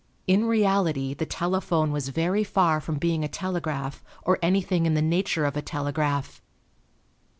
In reality the telephone was very far from being a telegraph or anything in the nature of a telegraph.